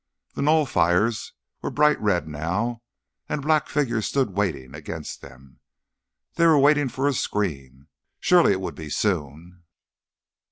The knoll fires were bright red now, and black figures stood waiting against them. They were waiting for a scream.... Surely it would be soon.